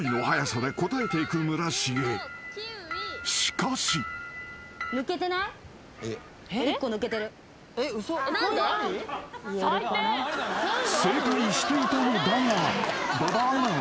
［しかし］［正解していたのだが馬場アナが］